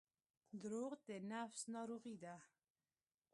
• دروغ د نفس ناروغي ده.